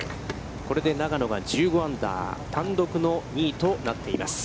これで永野が１５アンダー、単独の２位となっています。